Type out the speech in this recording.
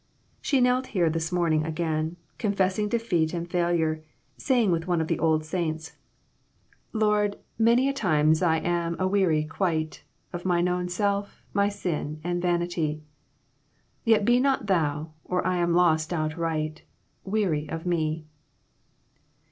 She knelt here this morning again, confessing defeat and failure, saying with one of the old saints IMPROMPTU VISITS. IO3 " Lord, many times I am aweary quite, Of mine own self, my sin, my vanity; Yet be not thou or I am lost outright Weary of me."